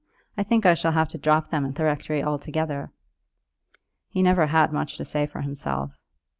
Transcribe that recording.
"I think I shall have to drop them at the rectory altogether." "He never had much to say for himself."